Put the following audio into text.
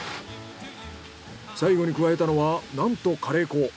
最後に加えたのはなんとカレー粉。